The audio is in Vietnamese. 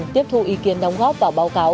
tiếp thu ý kiến đóng góp vào báo cáo